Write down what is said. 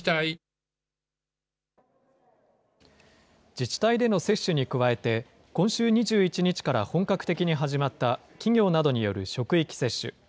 自治体での接種に加えて、今週２１日から本格的に始まった企業などによる職域接種。